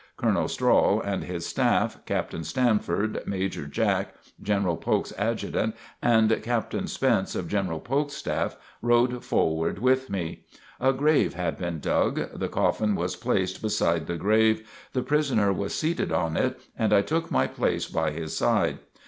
Colonel Strahl and his staff; Captain Stanford; Major Jack, General Polk's Adjutant; and Captain Spence of General Polk's staff, rode forward with me. A grave had been dug. The coffin was placed beside the grave, the prisoner was seated on it and I took my place by his side.